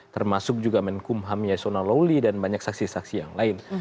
termasuk juga menkumham yasona lawli dan banyak saksi saksi yang lain